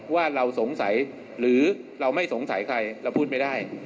ว่าเราสงสัยหรือเราไม่สงสัยใครเราพูดไม่ได้